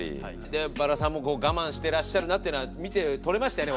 でバラさんも我慢してらっしゃるなっていうのは見て取れましたよね